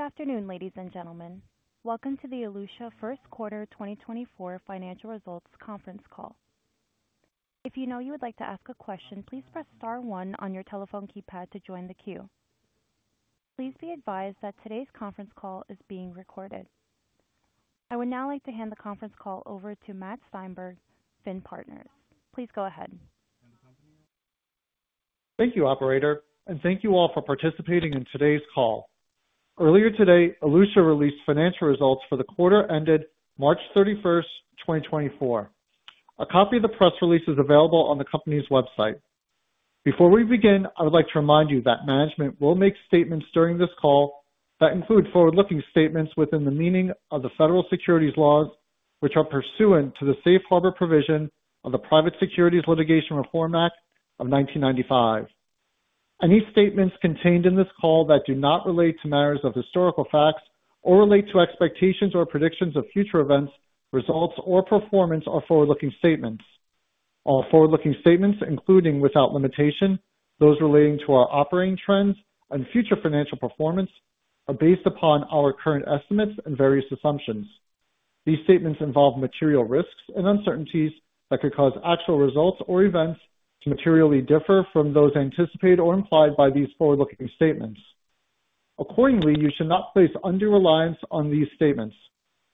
Good afternoon, ladies and gentlemen. Welcome to the Elutia First Quarter 2024 Financial Results Conference Call. If you would like to ask a question, please press star 1 on your telephone keypad to join the queue. Please be advised that today's conference call is being recorded. I would now like to hand the conference call over to Matt Steinberg, Finn Partners. Please go ahead. Thank you, operator, and thank you all for participating in today's call. Earlier today, Elutia released financial results for the quarter ended March 31, 2024. A copy of the press release is available on the company's website. Before we begin, I would like to remind you that management will make statements during this call that include forward-looking statements within the meaning of the federal securities laws, which are pursuant to the Safe Harbor provision of the Private Securities Litigation Reform Act of 1995. Any statements contained in this call that do not relate to matters of historical facts or relate to expectations or predictions of future events, results, or performance are forward-looking statements. All forward-looking statements, including without limitation, those relating to our operating trends and future financial performance, are based upon our current estimates and various assumptions. These statements involve material risks and uncertainties that could cause actual results or events to materially differ from those anticipated or implied by these forward-looking statements. Accordingly, you should not place undue reliance on these statements.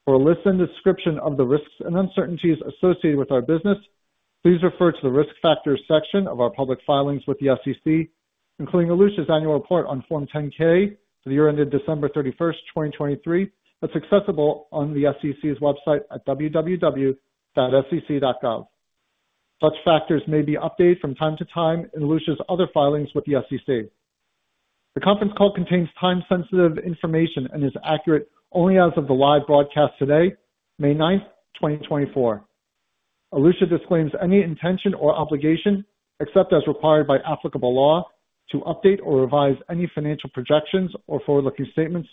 For a detailed description of the risks and uncertainties associated with our business, please refer to the Risk Factors section of our public filings with the SEC, including Elutia's annual report on Form 10-K for the year ended December 31, 2023, that's accessible on the SEC's website at www.sec.gov. Such factors may be updated from time to time in Elutia's other filings with the SEC. The conference call contains time-sensitive information and is accurate only as of the live broadcast today, May 9, 2024. Elutia disclaims any intention or obligation, except as required by applicable law, to update or revise any financial projections or forward-looking statements,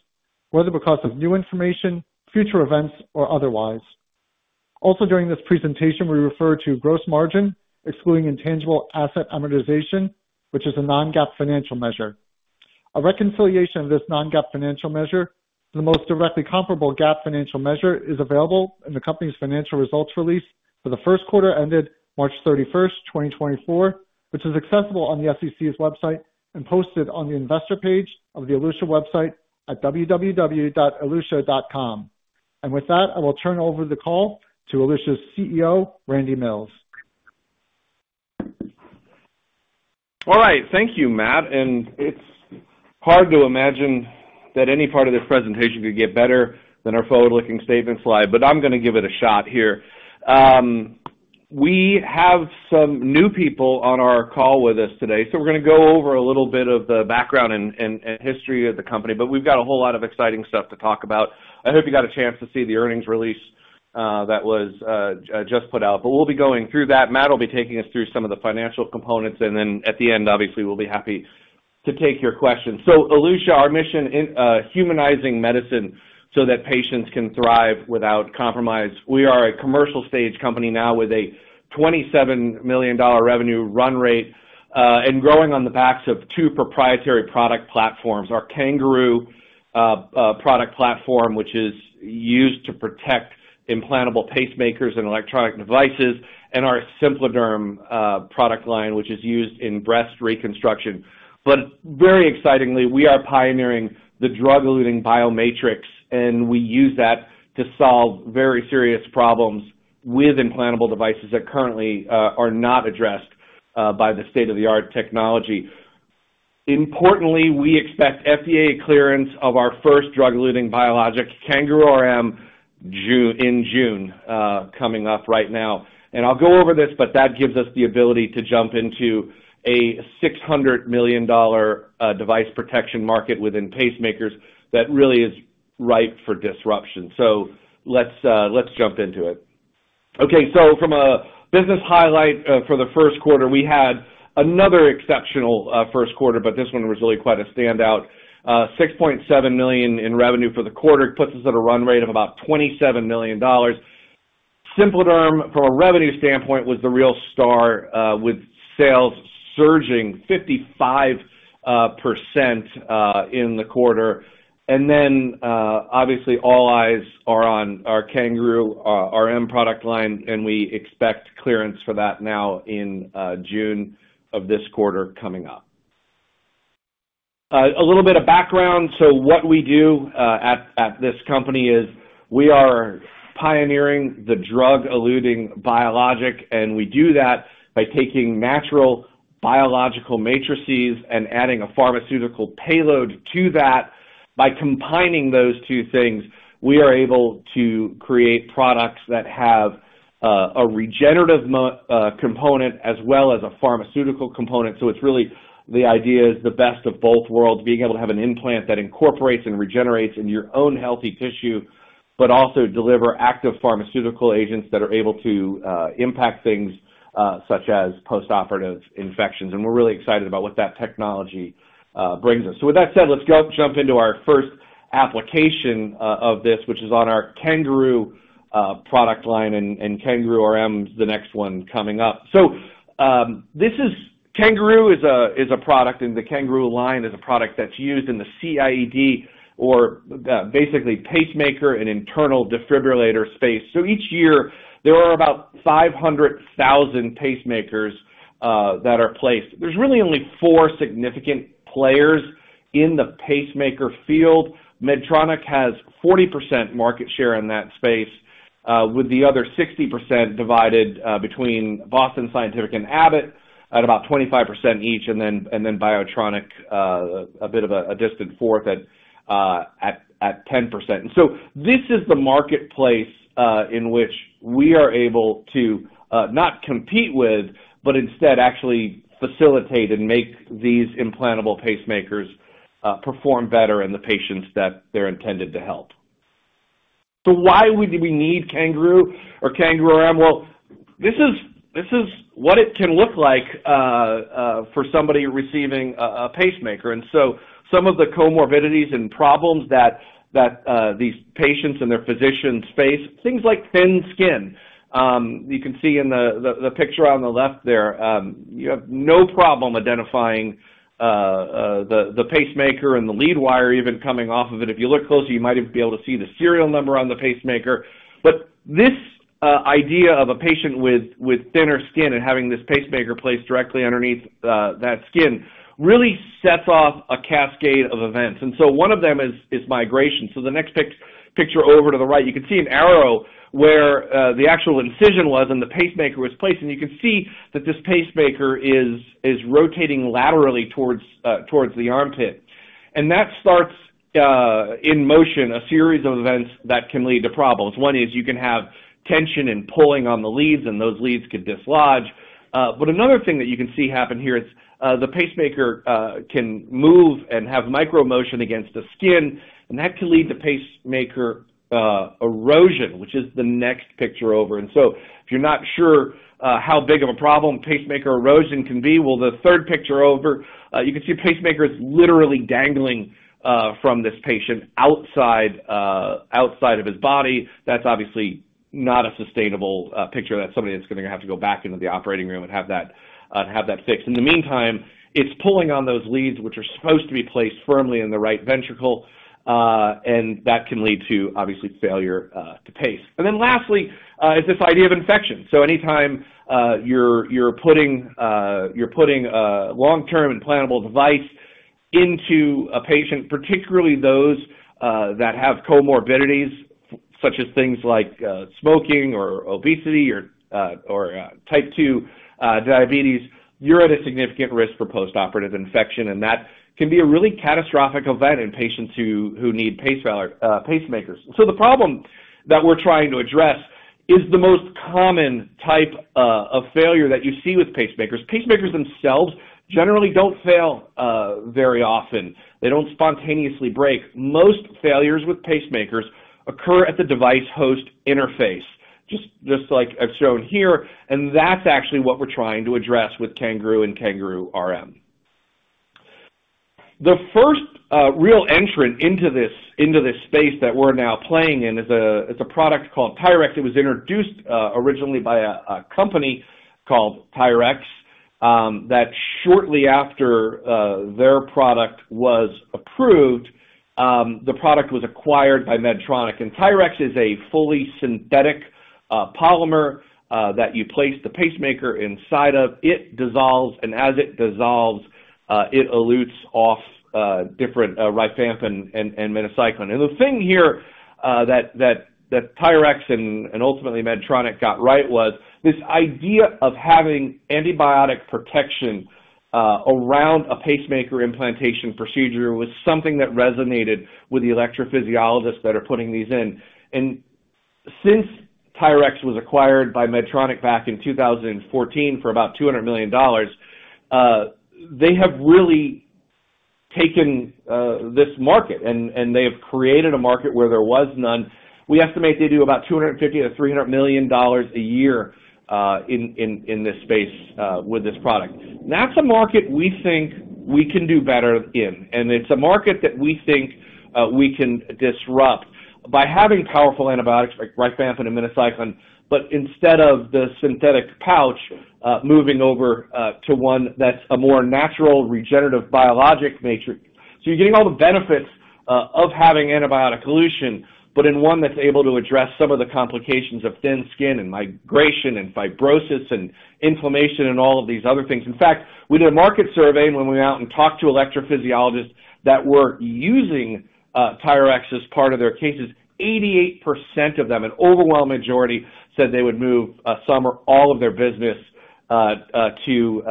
whether because of new information, future events, or otherwise. Also, during this presentation, we refer to gross margin, excluding intangible asset amortization, which is a non-GAAP financial measure. A reconciliation of this non-GAAP financial measure to the most directly comparable GAAP financial measure is available in the company's financial results release for the first quarter ended March 31, 2024, which is accessible on the SEC's website and posted on the investor page of the Elutia website at www.elutia.com. With that, I will turn over the call to Elutia's CEO, Randy Mills. All right. Thank you, Matt. And it's hard to imagine that any part of this presentation could get better than our forward-looking statements slide, but I'm going to give it a shot here. We have some new people on our call with us today, so we're going to go over a little bit of the background and history of the company, but we've got a whole lot of exciting stuff to talk about. I hope you got a chance to see the earnings release that was just put out, but we'll be going through that. Matt will be taking us through some of the financial components, and then at the end, obviously, we'll be happy to take your questions. So Elutia, our mission: humanizing medicine so that patients can thrive without compromise. We are a commercial-stage company now with a $27 million revenue run rate and growing on the backs of two proprietary product platforms: our CanGaroo product platform, which is used to protect implantable pacemakers and electronic devices, and our SimpliDerm product line, which is used in breast reconstruction. But very excitingly, we are pioneering the drug-eluting biomatrix, and we use that to solve very serious problems with implantable devices that currently are not addressed by the state-of-the-art technology. Importantly, we expect FDA clearance of our first drug-eluting biologic, CanGaroo RM, in June, coming up right now. And I'll go over this, but that gives us the ability to jump into a $600 million device protection market within pacemakers that really is ripe for disruption. So let's jump into it. Okay, so from a business highlight for the first quarter, we had another exceptional first quarter, but this one was really quite a standout. $6.7 million in revenue for the quarter puts us at a run rate of about $27 million. SimpliDerm, from a revenue standpoint, was the real star, with sales surging 55% in the quarter. Then, obviously, all eyes are on our CanGaroo RM product line, and we expect clearance for that now in June of this quarter coming up. A little bit of background. What we do at this company is we are pioneering the drug-eluting biologic, and we do that by taking natural biological matrices and adding a pharmaceutical payload to that. By combining those two things, we are able to create products that have a regenerative component as well as a pharmaceutical component. So it's really the idea is the best of both worlds, being able to have an implant that incorporates and regenerates in your own healthy tissue but also deliver active pharmaceutical agents that are able to impact things such as postoperative infections. And we're really excited about what that technology brings us. So with that said, let's jump into our first application of this, which is on our CanGaroo product line and CanGaroo RM, the next one coming up. So CanGaroo is a product, and the CanGaroo line is a product that's used in the CIED, or basically pacemaker and internal defibrillator space. So each year, there are about 500,000 pacemakers that are placed. There's really only four significant players in the pacemaker field. Medtronic has 40% market share in that space, with the other 60% divided between Boston Scientific and Abbott at about 25% each, and then Biotronik, a bit of a distant fourth at 10%. And so this is the marketplace in which we are able to not compete with but instead actually facilitate and make these implantable pacemakers perform better in the patients that they're intended to help. So why do we need CanGaroo or CanGaroo RM? Well, this is what it can look like for somebody receiving a pacemaker. And so some of the comorbidities and problems that these patients and their physicians face, things like thin skin, you can see in the picture on the left there, you have no problem identifying the pacemaker and the lead wire even coming off of it. If you look closer, you might even be able to see the serial number on the pacemaker. But this idea of a patient with thinner skin and having this pacemaker placed directly underneath that skin really sets off a cascade of events. And so one of them is migration. So the next picture over to the right, you can see an arrow where the actual incision was and the pacemaker was placed. And you can see that this pacemaker is rotating laterally towards the armpit. And that starts in motion, a series of events that can lead to problems. One is you can have tension and pulling on the leads, and those leads could dislodge. But another thing that you can see happen here is the pacemaker can move and have micro-motion against the skin, and that can lead to pacemaker erosion, which is the next picture over. And so if you're not sure how big of a problem pacemaker erosion can be, well, the third picture over, you can see a pacemaker is literally dangling from this patient outside of his body. That's obviously not a sustainable picture. That's somebody that's going to have to go back into the operating room and have that fixed. In the meantime, it's pulling on those leads, which are supposed to be placed firmly in the right ventricle, and that can lead to, obviously, failure to pace. And then lastly is this idea of infection. So anytime you're putting a long-term implantable device into a patient, particularly those that have comorbidities such as things like smoking or obesity or type 2 diabetes, you're at a significant risk for postoperative infection, and that can be a really catastrophic event in patients who need pacemakers. So the problem that we're trying to address is the most common type of failure that you see with pacemakers. Pacemakers themselves generally don't fail very often. They don't spontaneously break. Most failures with pacemakers occur at the device-host interface, just like I've shown here, and that's actually what we're trying to address with CanGaroo and CanGaroo RM. The first real entrant into this space that we're now playing in is a product called TYRX. It was introduced originally by a company called TYRX that, shortly after their product was approved, the product was acquired by Medtronic. And TYRX is a fully synthetic polymer that you place the pacemaker inside of. It dissolves, and as it dissolves, it elutes off different rifampin and minocycline. The thing here that TYRX and ultimately Medtronic got right was this idea of having antibiotic protection around a pacemaker implantation procedure was something that resonated with the electrophysiologists that are putting these in. Since TYRX was acquired by Medtronic back in 2014 for about $200 million, they have really taken this market, and they have created a market where there was none. We estimate they do about $250 million-$300 million a year in this space with this product. That's a market we think we can do better in, and it's a market that we think we can disrupt by having powerful antibiotics like rifampin and minocycline, but instead of the synthetic pouch, moving over to one that's a more natural regenerative biologic matrix. So you're getting all the benefits of having antibiotic elution, but in one that's able to address some of the complications of thin skin and migration and fibrosis and inflammation and all of these other things. In fact, we did a market survey, and when we went out and talked to electrophysiologists that were using TYRX as part of their cases, 88% of them, an overwhelming majority, said they would move some or all of their business to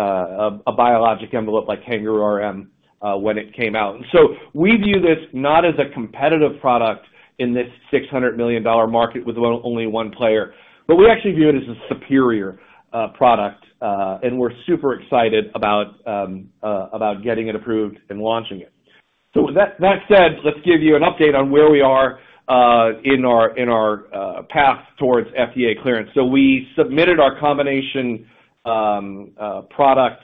a biologic envelope like CanGaroo RM when it came out. And so we view this not as a competitive product in this $600 million market with only one player, but we actually view it as a superior product, and we're super excited about getting it approved and launching it. So with that said, let's give you an update on where we are in our path towards FDA clearance. So we submitted our combination product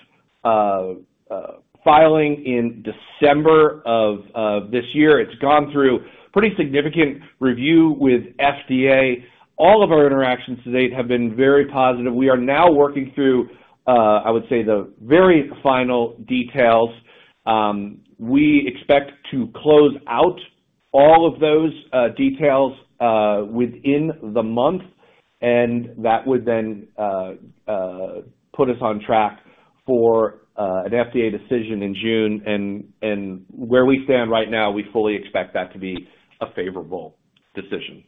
filing in December of this year. It's gone through pretty significant review with FDA. All of our interactions to date have been very positive. We are now working through, I would say, the very final details. We expect to close out all of those details within the month, and that would then put us on track for an FDA decision in June. And where we stand right now, we fully expect that to be a favorable decision.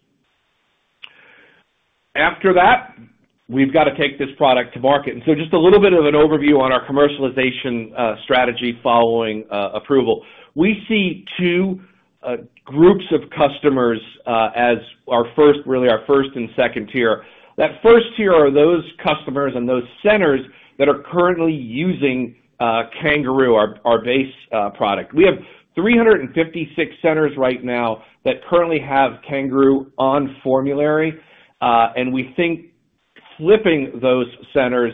After that, we've got to take this product to market. And so just a little bit of an overview on our commercialization strategy following approval. We see two groups of customers as really our first and second tier. That first tier are those customers and those centers that are currently using CanGaroo, our base product. We have 356 centers right now that currently have CanGaroo on formulary, and we think flipping those centers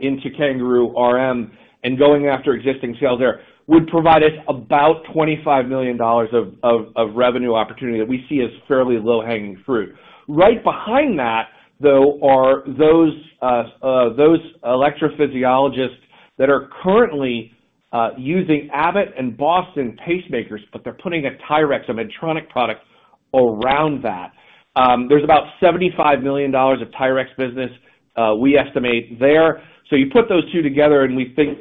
into CanGaroo RM and going after existing sales there would provide us about $25 million of revenue opportunity that we see as fairly low-hanging fruit. Right behind that, though, are those electrophysiologists that are currently using Abbott and Boston Scientific pacemakers, but they're putting a TYRX, a Medtronic product, around that. There's about $75 million of TYRX business we estimate there. So you put those two together, and we think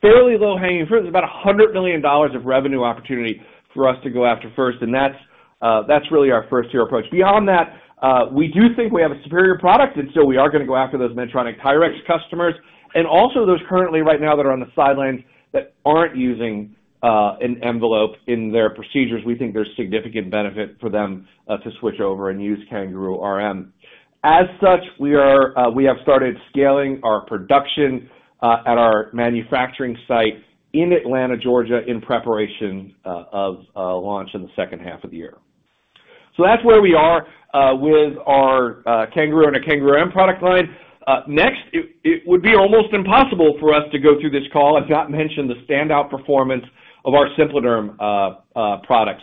fairly low-hanging fruit. There's about $100 million of revenue opportunity for us to go after first, and that's really our first-tier approach. Beyond that, we do think we have a superior product, and so we are going to go after those Medtronic TYRX customers. Also, those currently right now that are on the sidelines that aren't using an envelope in their procedures, we think there's significant benefit for them to switch over and use CanGaroo RM. As such, we have started scaling our production at our manufacturing site in Atlanta, Georgia, in preparation of launch in the second half of the year. That's where we are with our CanGaroo and our CanGaroo RM product line. Next, it would be almost impossible for us to go through this call and not mention the standout performance of our SimpliDerm product.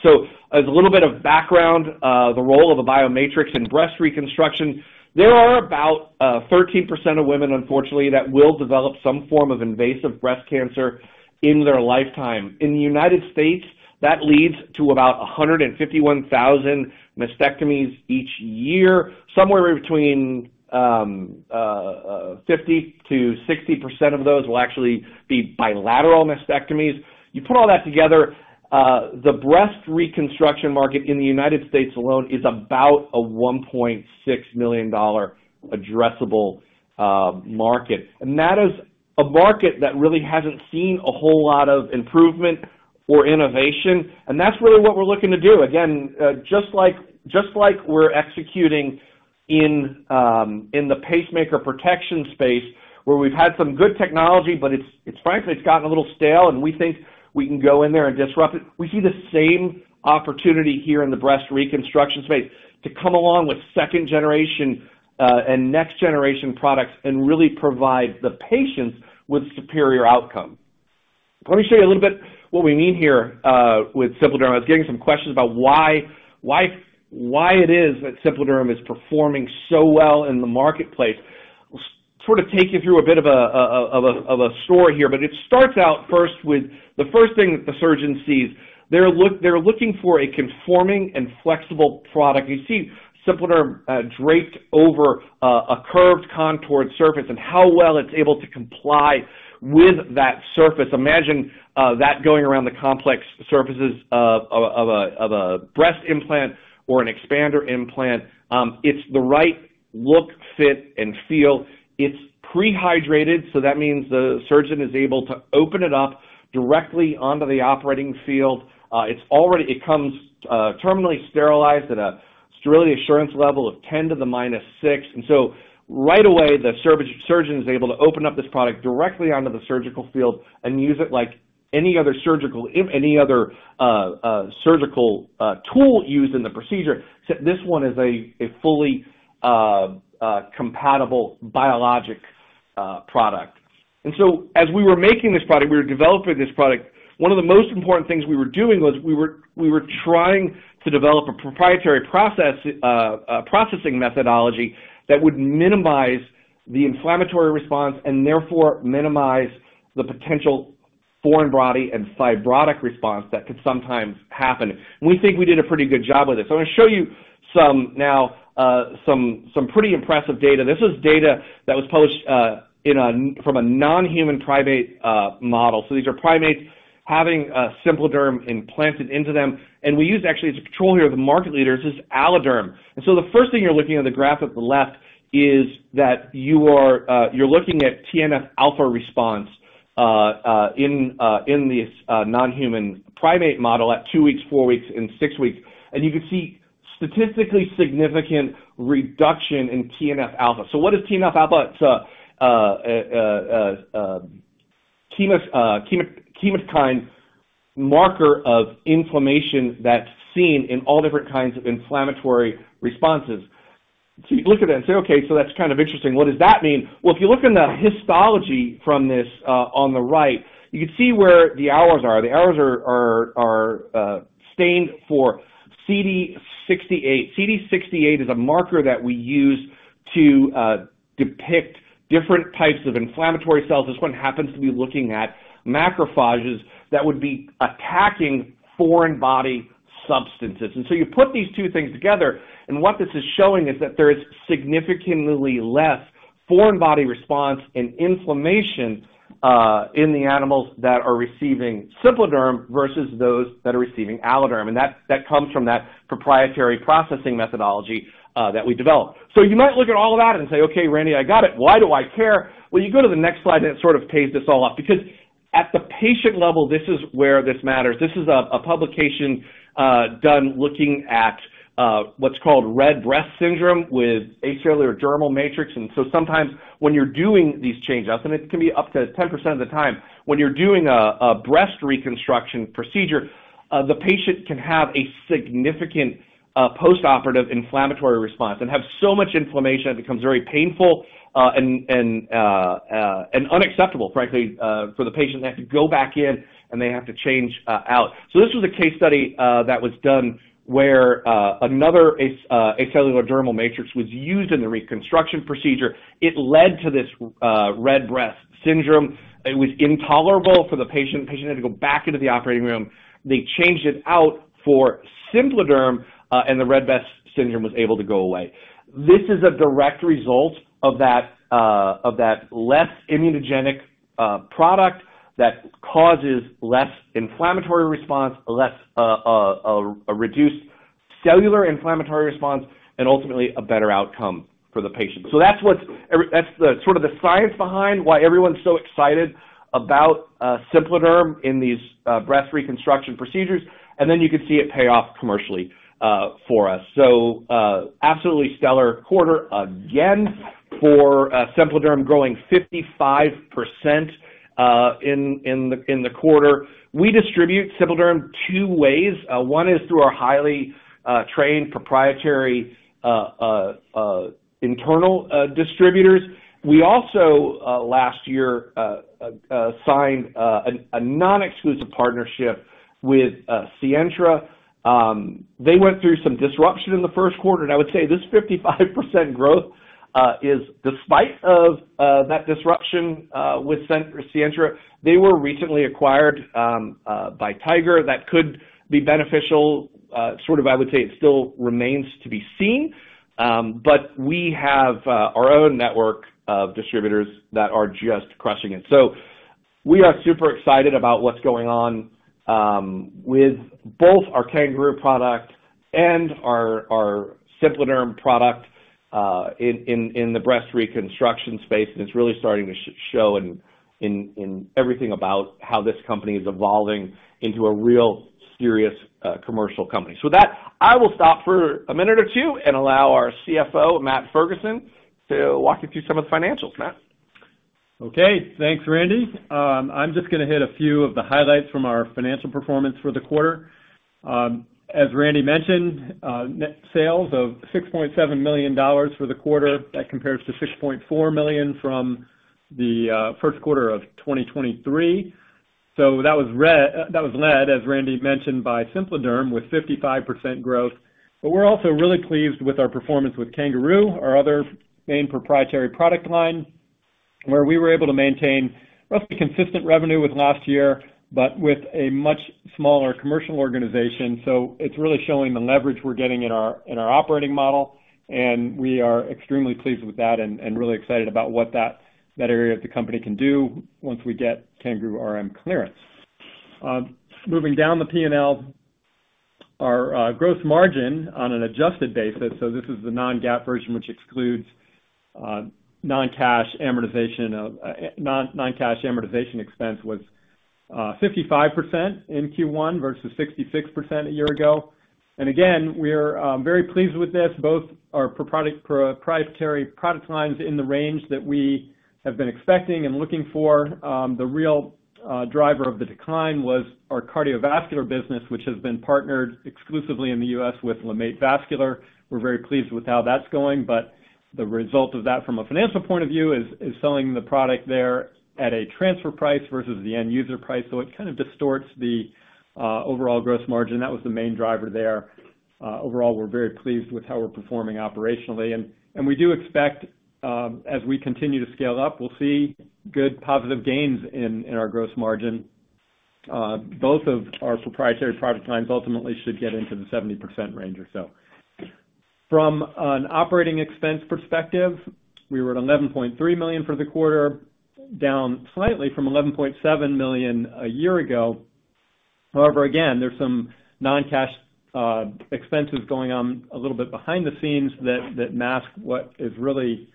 As a little bit of background, the role of a biomatrix in breast reconstruction, there are about 13% of women, unfortunately, that will develop some form of invasive breast cancer in their lifetime. In the United States, that leads to about 151,000 mastectomies each year. Somewhere between 50%-60% of those will actually be bilateral mastectomies. You put all that together, the breast reconstruction market in the United States alone is about a $1.6 million addressable market, and that is a market that really hasn't seen a whole lot of improvement or innovation. And that's really what we're looking to do. Again, just like we're executing in the pacemaker protection space, where we've had some good technology, but frankly, it's gotten a little stale, and we think we can go in there and disrupt it, we see the same opportunity here in the breast reconstruction space to come along with second-generation and next-generation products and really provide the patients with superior outcomes. Let me show you a little bit what we mean here with SimpliDerm. I was getting some questions about why it is that SimpliDerm is performing so well in the marketplace. I'll sort of take you through a bit of a story here, but it starts out first with the first thing that the surgeon sees. They're looking for a conforming and flexible product. You see SimpliDerm draped over a curved, contoured surface and how well it's able to comply with that surface. Imagine that going around the complex surfaces of a breast implant or an expander implant. It's the right look, fit, and feel. It's prehydrated, so that means the surgeon is able to open it up directly onto the operating field. It comes terminally sterilized at a sterility assurance level of 10⁻⁶. And so right away, the surgeon is able to open up this product directly onto the surgical field and use it like any other surgical tool used in the procedure, except this one is a fully compatible biologic product And so as we were making this product, we were developing this product, one of the most important things we were doing was we were trying to develop a proprietary processing methodology that would minimize the inflammatory response and therefore minimize the potential foreign body and fibrotic response that could sometimes happen. We think we did a pretty good job with this. So I'm going to show you now some pretty impressive data. This is data that was published from a non-human primate model. So these are primates having SimpliDerm implanted into them, and we used actually, as a control here of the market leaders, is AlloDerm. And so the first thing you're looking at in the graph at the left is that you're looking at TNF-alpha response in this non-human primate model at two weeks, four weeks, and six weeks, and you can see statistically significant reduction in TNF-alpha. So what is TNF-alpha? It's a chemokine marker of inflammation that's seen in all different kinds of inflammatory responses. So you look at that and say, "Okay, so that's kind of interesting. What does that mean?" Well, if you look in the histology from this on the right, you can see where the arrows are. The areas are stained for CD68. CD68 is a marker that we use to depict different types of inflammatory cells. This one happens to be looking at macrophages that would be attacking foreign body substances. And so you put these two things together, and what this is showing is that there is significantly less foreign body response and inflammation in the animals that are receiving SimpliDerm versus those that are receiving AlloDerm, and that comes from that proprietary processing methodology that we developed. So you might look at all of that and say, "Okay, Randy, I got it. Why do I care?" Well, you go to the next slide, and it sort of pays this all off because at the patient level, this is where this matters. This is a publication done looking at what's called red breast syndrome with acellular dermal matrix. And so sometimes when you're doing these change-outs, and it can be up to 10% of the time, when you're doing a breast reconstruction procedure, the patient can have a significant postoperative inflammatory response and have so much inflammation it becomes very painful and unacceptable, frankly, for the patient to have to go back in, and they have to change out. So this was a case study that was done where another acellular dermal matrix was used in the reconstruction procedure. It led to this red breast syndrome. It was intolerable for the patient. The patient had to go back into the operating room. They changed it out for SimpliDerm, and the red breast syndrome was able to go away. This is a direct result of that less immunogenic product that causes less inflammatory response, a reduced cellular inflammatory response, and ultimately a better outcome for the patient. So that's sort of the science behind why everyone's so excited about SimpliDerm in these breast reconstruction procedures, and then you can see it pay off commercially for us. So absolutely stellar quarter again for SimpliDerm growing 55% in the quarter. We distribute SimpliDerm two ways. One is through our highly trained proprietary internal distributors. We also, last year, signed a non-exclusive partnership with Sientra. They went through some disruption in the first quarter, and I would say this 55% growth is despite that disruption with Sientra. They were recently acquired by Tiger. That could be beneficial. Sort of, I would say, it still remains to be seen, but we have our own network of distributors that are just crushing it. So we are super excited about what's going on with both our CanGaroo product and our SimpliDerm product in the breast reconstruction space, and it's really starting to show in everything about how this company is evolving into a real serious commercial company. So with that, I will stop for a minute or two and allow our CFO, Matt Ferguson, to walk you through some of the financials. Matt. Okay. Thanks, Randy. I'm just going to hit a few of the highlights from our financial performance for the quarter. As Randy mentioned, sales of $6.7 million for the quarter. That compares to $6.4 million from the first quarter of 2023. So that was led, as Randy mentioned, by SimpliDerm with 55% growth. But we're also really pleased with our performance with CanGaroo, our other main proprietary product line, where we were able to maintain roughly consistent revenue with last year but with a much smaller commercial organization. So it's really showing the leverage we're getting in our operating model, and we are extremely pleased with that and really excited about what that area of the company can do once we get CanGaroo RM clearance. Moving down the P&L, our gross margin on an adjusted basis - so this is the non-GAAP version, which excludes non-cash amortization expense was 55% in Q1 versus 66% a year ago. Again, we're very pleased with this. Both our proprietary product lines are in the range that we have been expecting and looking for. The real driver of the decline was our cardiovascular business, which has been partnered exclusively in the U.S. with LeMaitre Vascular. We're very pleased with how that's going, but the result of that from a financial point of view is selling the product there at a transfer price versus the end-user price, so it kind of distorts the overall gross margin. That was the main driver there. Overall, we're very pleased with how we're performing operationally, and we do expect, as we continue to scale up, we'll see good positive gains in our gross margin. Both of our proprietary product lines ultimately should get into the 70% range or so. From an operating expense perspective, we were at $11.3 million for the quarter, down slightly from $11.7 million a year ago. However, again, there's some non-cash expenses going on a little bit behind the scenes that mask what is really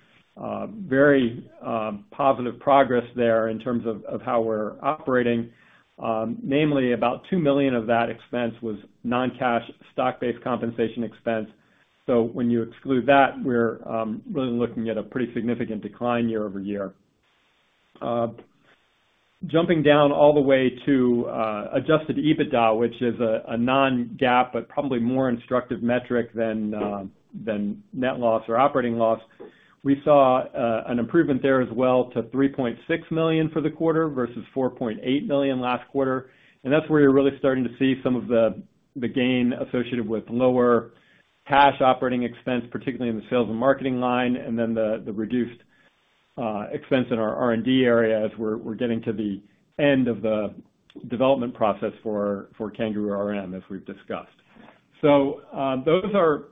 very positive progress there in terms of how we're operating. Namely, about $2 million of that expense was non-cash stock-based compensation expense. So when you exclude that, we're really looking at a pretty significant decline year-over-year. Jumping down all the way to adjusted EBITDA, which is a non-GAAP but probably more instructive metric than net loss or operating loss, we saw an improvement there as well to $3.6 million for the quarter versus $4.8 million last quarter. And that's where you're really starting to see some of the gain associated with lower cash operating expense, particularly in the sales and marketing line, and then the reduced expense in our R&D area as we're getting to the end of the development process for CanGaroo RM, as we've discussed. So those are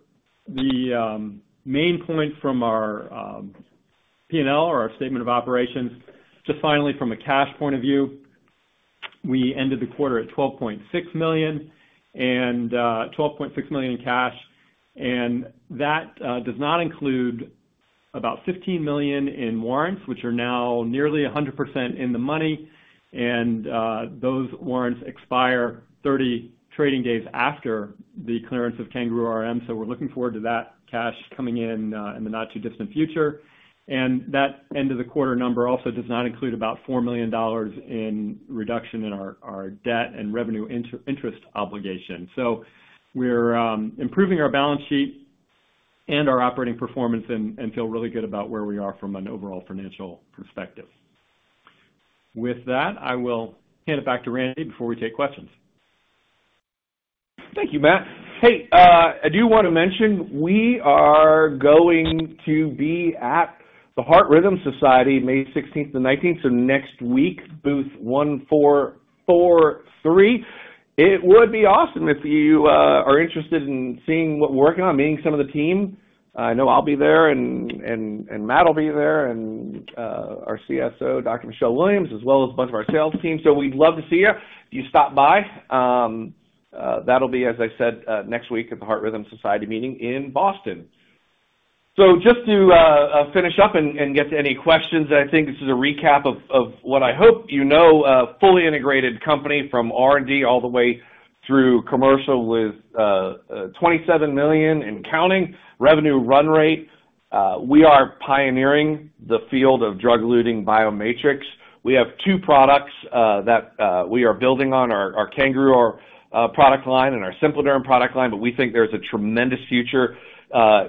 the main points from our P&L or our statement of operations. Just finally, from a cash point of view, we ended the quarter at $12.6 million in cash, and that does not include about $15 million in warrants, which are now nearly 100% in the money. Those warrants expire 30 trading days after the clearance of CanGaroo RM, so we're looking forward to that cash coming in in the not-too-distant future. That end-of-the-quarter number also does not include about $4 million in reduction in our debt and revenue interest obligation. We're improving our balance sheet and our operating performance and feel really good about where we are from an overall financial perspective. With that, I will hand it back to Randy before we take questions. Thank you, Matt. Hey, I do want to mention we are going to be at the Heart Rhythm Society May 16th to 19th, so next week, booth 1443. It would be awesome if you are interested in seeing what we're working on, meeting some of the team. I know I'll be there, and Matt will be there, and our CSO, Dr. Michelle Williams, as well as a bunch of our sales team. So we'd love to see you. If you stop by, that'll be, as I said, next week at the Heart Rhythm Society meeting in Boston. So just to finish up and get to any questions, I think this is a recap of what I hope you know: a fully integrated company from R&D all the way through commercial with $27 million and counting revenue run rate. We are pioneering the field of drug-eluting biomatrix. We have two products that we are building on: our CanGaroo product line and our SimpliDerm product line, but we think there's a tremendous future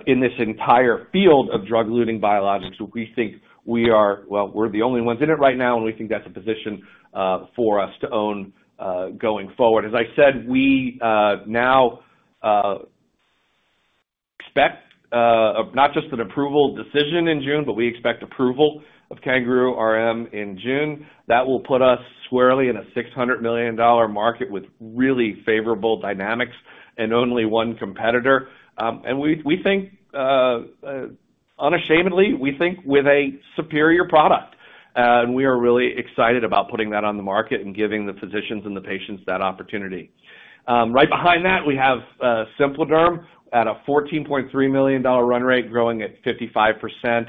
in this entire field of drug-eluting biologics. We think we are well, we're the only ones in it right now, and we think that's a position for us to own going forward. As I said, we now expect not just an approval decision in June, but we expect approval of CanGaroo RM in June. That will put us squarely in a $600 million market with really favorable dynamics and only one competitor. We think, unashamedly, we think with a superior product, and we are really excited about putting that on the market and giving the physicians and the patients that opportunity. Right behind that, we have SimpliDerm at a $14.3 million run rate, growing at 55%,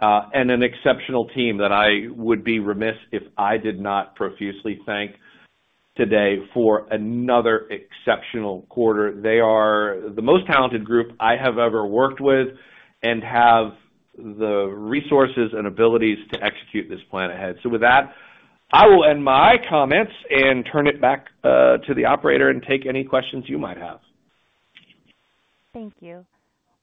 and an exceptional team that I would be remiss if I did not profusely thank today for another exceptional quarter. They are the most talented group I have ever worked with and have the resources and abilities to execute this plan ahead. So with that, I will end my comments and turn it back to the operator and take any questions you might have. Thank you.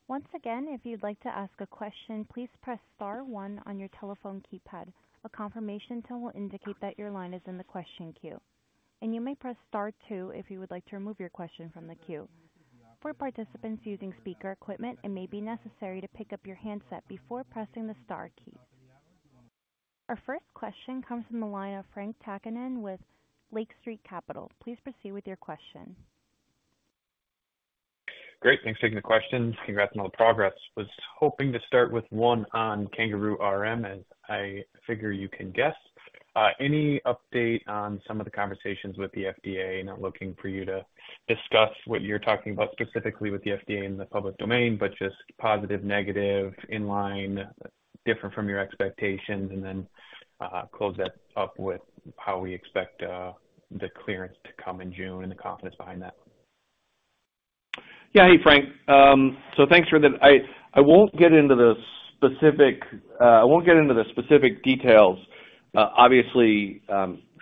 Once again, if you'd like to ask a question, please press star one on your telephone keypad. A confirmation tone will indicate that your line is in the question queue, and you may press star two if you would like to remove your question from the queue. For participants using speaker equipment, it may be necessary to pick up your handset before pressing the star key. Our first question comes from the line of Frank Takkinen with Lake Street Capital. Please proceed with your question. Great. Thanks for taking the question. Congrats on all the progress. Was hoping to start with one on CanGaroo RM, as I figure you can guess. Any update on some of the conversations with the FDA? Not looking for you to discuss what you're talking about specifically with the FDA in the public domain, but just positive, negative, inline, different from your expectations, and then close that up with how we expect the clearance to come in June and the confidence behind that. Yeah. Hey, Frank. So thanks for that. I won't get into the specific. I won't get into the specific details. Obviously,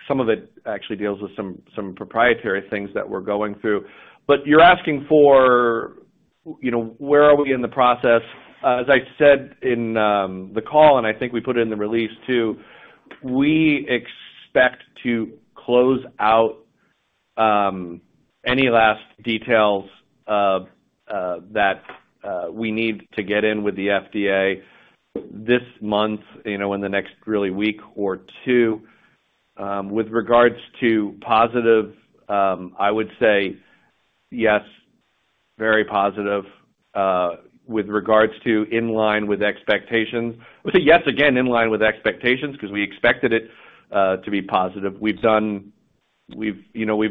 some of it actually deals with some proprietary things that we're going through, but you're asking for where are we in the process? As I said in the call, and I think we put it in the release too, we expect to close out any last details that we need to get in with the FDA this month and the next, really, week or two. With regards to positive, I would say yes, very positive. With regards to in line with expectations, yes, again, in line with expectations because we expected it to be positive. We've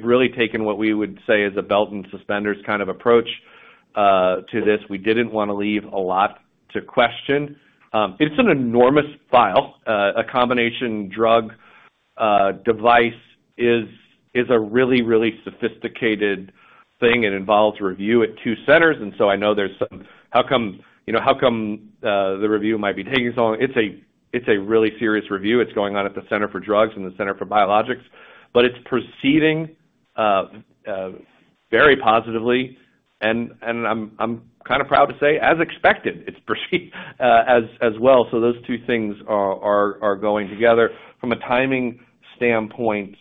really taken what we would say is a belt-and-suspenders kind of approach to this. We didn't want to leave a lot to question. It's an enormous file. A combination drug device is a really, really sophisticated thing. It involves review at two centers, and so I know there's some how come the review might be taking so long? It's a really serious review. It's going on at the Center for Drugs and the Center for Biologics, but it's proceeding very positively, and I'm kind of proud to say, as expected, it's proceeding as well. So those two things are going together. From a timing standpoint,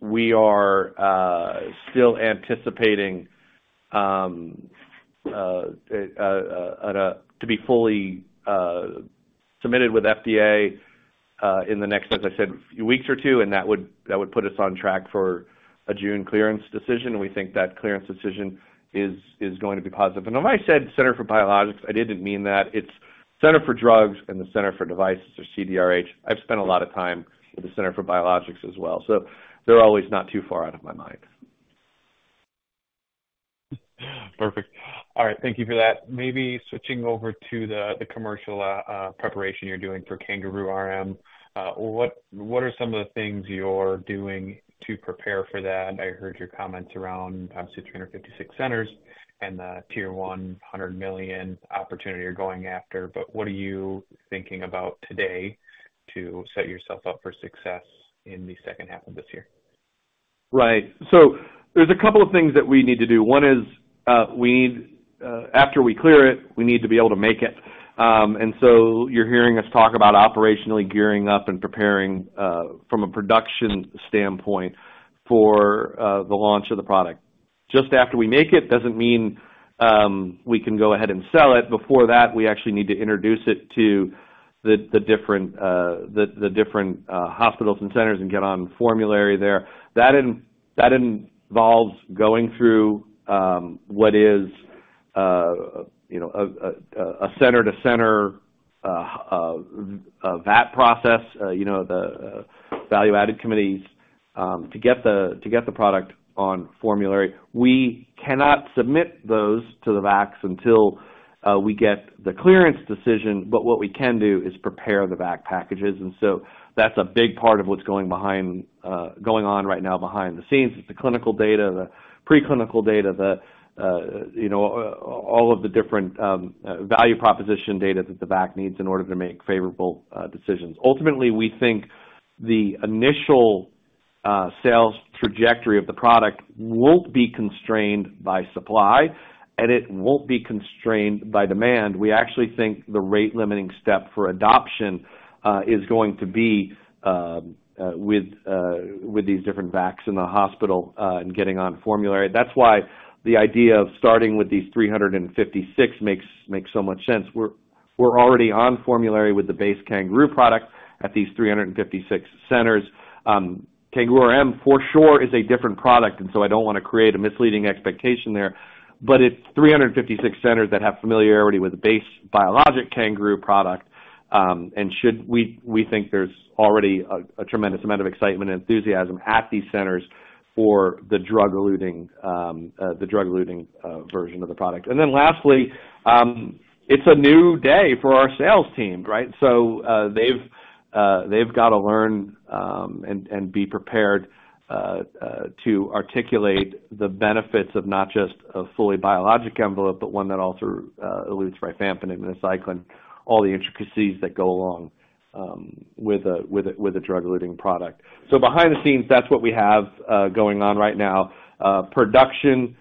we are still anticipating to be fully submitted with FDA in the next, as I said, week or 2, and that would put us on track for a June clearance decision. We think that clearance decision is going to be positive. When I said Center for Biologics, I didn't mean that. It's Center for Drugs and the Center for Devices, or CDRH. I've spent a lot of time with the Center for Biologics as well, so they're always not too far out of my mind. Perfect. All right. Thank you for that. Maybe switching over to the commercial preparation you're doing for CanGaroo RM. What are some of the things you're doing to prepare for that? I heard your comments around obviously 356 centers and the tier-one, $100 million opportunity you're going after, but what are you thinking about today to set yourself up for success in the second half of this year? Right. So there's a couple of things that we need to do. One is, after we clear it, we need to be able to make it. And so you're hearing us talk about operationally gearing up and preparing from a production standpoint for the launch of the product. Just after we make it doesn't mean we can go ahead and sell it. Before that, we actually need to introduce it to the different hospitals and centers and get on formulary there. That involves going through what is a center-to-center VAC process, the value analysis committees, to get the product on formulary. We cannot submit those to the VAC until we get the clearance decision, but what we can do is prepare the VAC packages. And so that's a big part of what's going on right now behind the scenes. It's the clinical data, the preclinical data, all of the different value proposition data that the VAC needs in order to make favorable decisions. Ultimately, we think the initial sales trajectory of the product won't be constrained by supply, and it won't be constrained by demand. We actually think the rate-limiting step for adoption is going to be with these different VACs in the hospital and getting on formulary. That's why the idea of starting with these 356 makes so much sense. We're already on formulary with the base CanGaroo product at these 356 centers. CanGaroo RM, for sure, is a different product, and so I don't want to create a misleading expectation there, but it's 356 centers that have familiarity with the base biologic CanGaroo product, and we think there's already a tremendous amount of excitement and enthusiasm at these centers for the drug-eluting version of the product. And then lastly, it's a new day for our sales team, right? So they've got to learn and be prepared to articulate the benefits of not just a fully biologic envelope, but one that also elutes rifampin and minocycline, all the intricacies that go along with a drug-eluting product. So behind the scenes, that's what we have going on right now: production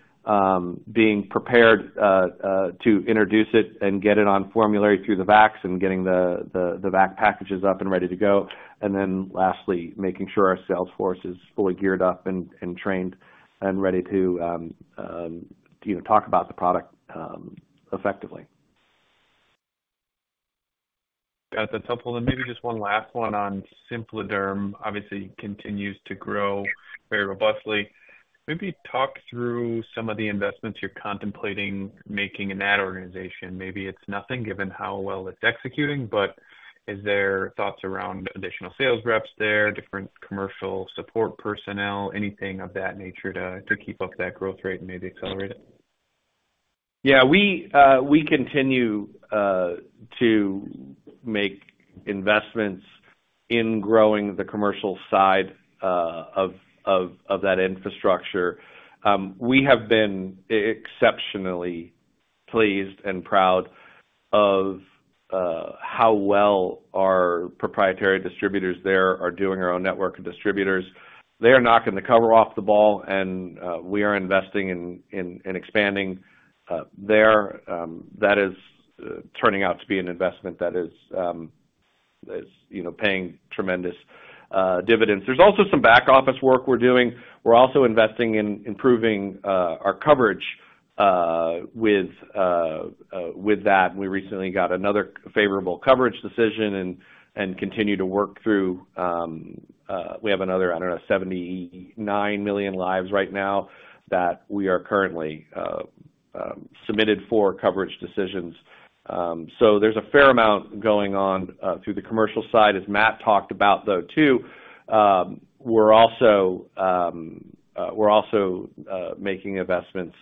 being prepared to introduce it and get it on formulary through the VAC and getting the VAC packages up and ready to go, and then lastly, making sure our sales force is fully geared up and trained and ready to talk about the product effectively. Got it. That's helpful. Maybe just one last one on SimpliDerm. Obviously, it continues to grow very robustly. Maybe talk through some of the investments you're contemplating making in that organization. Maybe it's nothing given how well it's executing, but is there thoughts around additional sales reps there, different commercial support personnel, anything of that nature to keep up that growth rate and maybe accelerate it? Yeah. We continue to make investments in growing the commercial side of that infrastructure. We have been exceptionally pleased and proud of how well our proprietary distributors there are doing. Our own network of distributors, they are knocking the cover off the ball, and we are investing in expanding there. That is turning out to be an investment that is paying tremendous dividends. There's also some back-office work we're doing. We're also investing in improving our coverage with that. We recently got another favorable coverage decision and continue to work through we have another, I don't know, 79 million lives right now that we are currently submitting for coverage decisions. So there's a fair amount going on through the commercial side, as Matt talked about, though, too. We're also making investments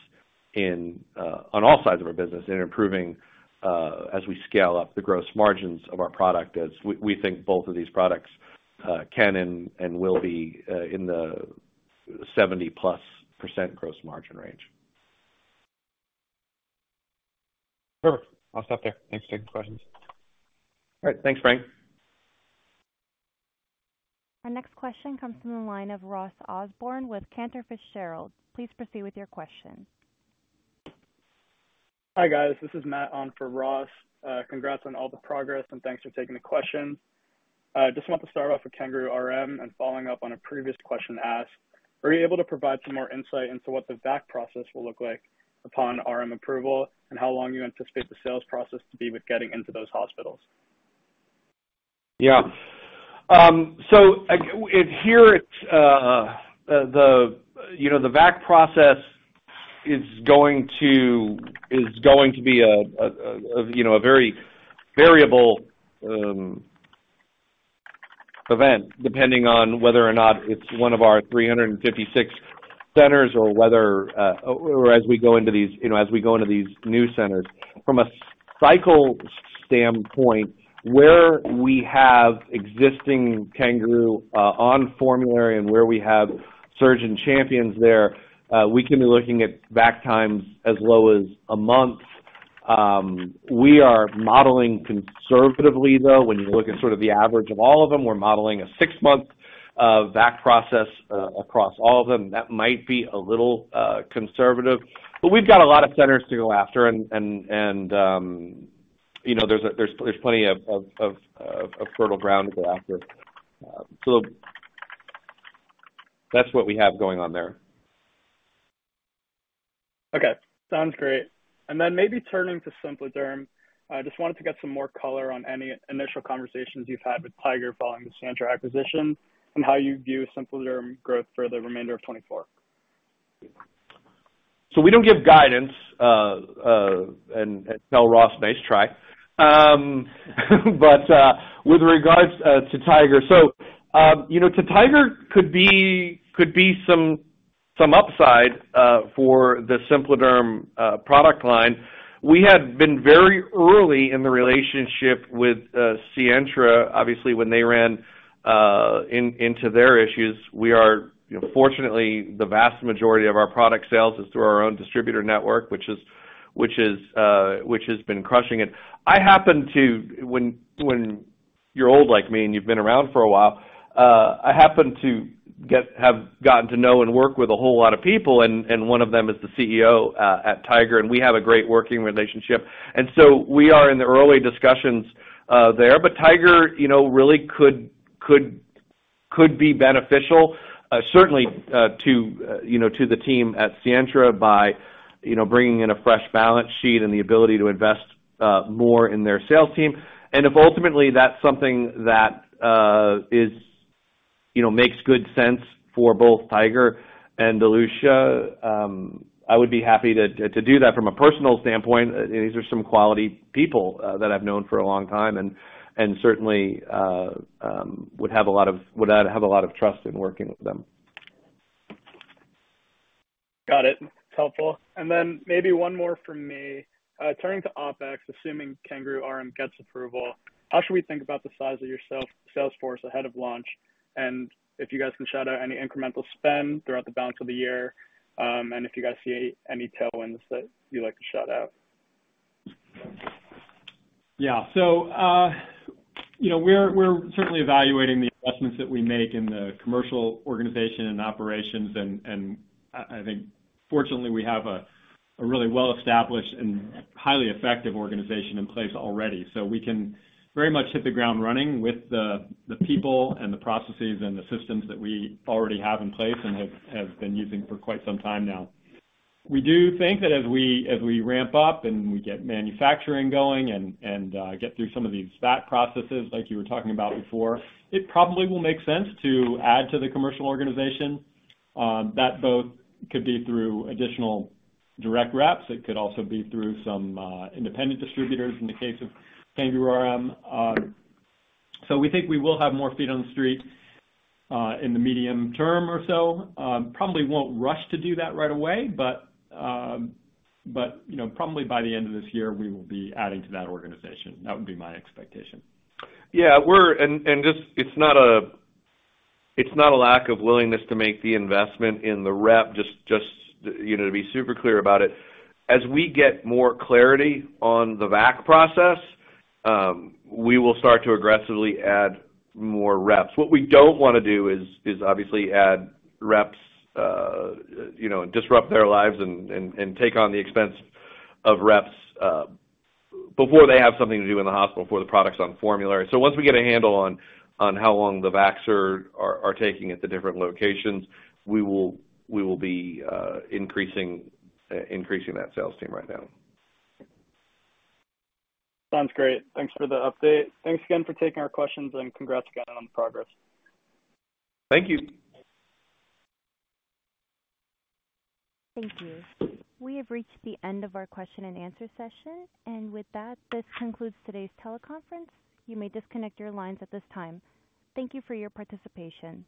on all sides of our business in improving, as we scale up, the gross margins of our product, as we think both of these products can and will be in the 70+% gross margin range. Perfect. I'll stop there. Thanks for taking the questions. All right. Thanks, Frank. Our next question comes from the line of Ross Osborn with Cantor Fitzgerald. Please proceed with your question. Hi, guys. This is Matt on for Ross. Congrats on all the progress, and thanks for taking the question. Just want to start off with CanGaroo RM and following up on a previous question asked, "Are you able to provide some more insight into what the VAC process will look like upon RM approval and how long you anticipate the sales process to be with getting into those hospitals? Yeah. So here, the VAC process is going to be a very variable event depending on whether or not it's one of our 356 centers or whether, as we go into these new centers. From a cycle standpoint, where we have existing CanGaroo on formulary and where we have surgeon champions there, we can be looking at VAC times as low as a month. We are modeling conservatively, though. When you look at sort of the average of all of them, we're modeling a six-month VAC process across all of them. That might be a little conservative, but we've got a lot of centers to go after, and there's plenty of fertile ground to go after. So that's what we have going on there. Okay. Sounds great. And then maybe turning to SimpliDerm, I just wanted to get some more color on any initial conversations you've had with Tiger following the Sientra acquisition and how you view SimpliDerm growth for the remainder of 2024. So we don't give guidance and tell, "Ross, nice try." But with regards to Tiger, so to Tiger, could be some upside for the SimpliDerm product line. We had been very early in the relationship with Sientra. Obviously, when they ran into their issues, we are fortunately, the vast majority of our product sales is through our own distributor network, which has been crushing it. I happen to, when you're old like me and you've been around for a while, I happen to have gotten to know and work with a whole lot of people, and one of them is the CEO at Tiger, and we have a great working relationship. And so we are in the early discussions there, but Tiger really could be beneficial, certainly to the team at Sientra by bringing in a fresh balance sheet and the ability to invest more in their sales team. If ultimately that's something that makes good sense for both Tiger and Elutia, I would be happy to do that from a personal standpoint. These are some quality people that I've known for a long time and certainly would have a lot of trust in working with them. Got it. That's helpful. And then maybe one more from me. Turning to OpEx, assuming CanGaroo RM gets approval, how should we think about the size of your sales force ahead of launch? And if you guys can shout out any incremental spend throughout the balance of the year and if you guys see any tailwinds that you'd like to shout out? Yeah. So we're certainly evaluating the investments that we make in the commercial organization and operations. I think, fortunately, we have a really well-established and highly effective organization in place already. So we can very much hit the ground running with the people and the processes and the systems that we already have in place and have been using for quite some time now. We do think that as we ramp up and we get manufacturing going and get through some of these VAC processes, like you were talking about before, it probably will make sense to add to the commercial organization. That both could be through additional direct reps. It could also be through some independent distributors in the case of CanGaroo RM. So we think we will have more feet on the street in the medium term or so. Probably won't rush to do that right away, but probably by the end of this year, we will be adding to that organization. That would be my expectation. Yeah. And it's not a lack of willingness to make the investment in the rep, just to be super clear about it. As we get more clarity on the VAC process, we will start to aggressively add more reps. What we don't want to do is obviously add reps and disrupt their lives and take on the expense of reps before they have something to do in the hospital, before the product's on formulary. So once we get a handle on how long the VACs are taking at the different locations, we will be increasing that sales team right now. Sounds great. Thanks for the update. Thanks again for taking our questions, and congrats again on the progress. Thank you. Thank you. We have reached the end of our question-and-answer session. With that, this concludes today's teleconference. You may disconnect your lines at this time. Thank you for your participation.